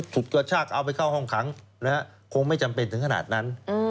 ถูกกระชากเอาไปเข้าห้องขังคงไม่จำเป็นถึงขนาดนั้น